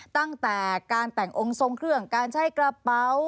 ตั้งแต่การแต่งองค์ทรงเครื่องการใช้กระเป๋า